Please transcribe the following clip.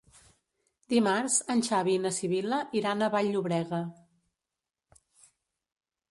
Dimarts en Xavi i na Sibil·la iran a Vall-llobrega.